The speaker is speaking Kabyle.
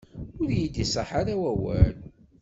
Ur yi-d-iṣaḥ ara wawal.